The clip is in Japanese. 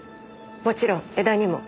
もちろん江田にも。